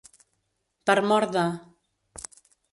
Per mor de.